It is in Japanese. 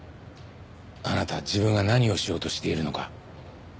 あなた自分が何をしようとしているのか。